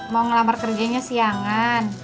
mau ngelamar kerjanya siangan